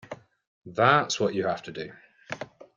That's what you have to do.